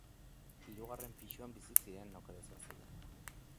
Hirugarren pisuan bizi ziren, oker ez bazeuden.